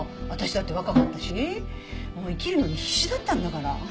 私だって若かったし生きるのに必死だったんだから。